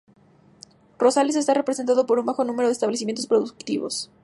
Rosales está representada por un bajo número de establecimientos productivos.